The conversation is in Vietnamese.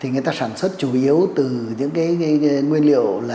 người ta sản xuất chủ yếu từ những nguyên liệu